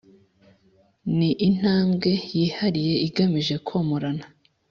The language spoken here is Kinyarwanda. ni intambwe yihariye igamije komorana